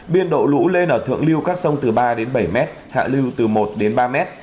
biên độ lũ lên ở thượng lưu các sông từ ba đến bảy mét hạ lưu từ một đến ba mét